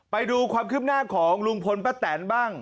ไปดูความคิมนากของรุงพลปะแต่นบ้าง